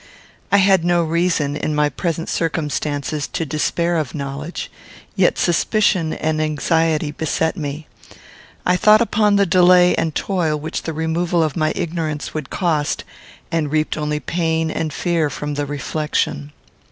I had no reason, in my present circumstances, to despair of knowledge; yet suspicion and anxiety beset me. I thought upon the delay and toil which the removal of my ignorance would cost, and reaped only pain and fear from the reflection.